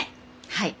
はい。